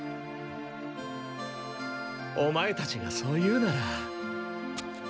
オマエたちがそう言うなら。